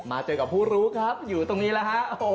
เจอกับผู้รู้ครับอยู่ตรงนี้แล้วฮะ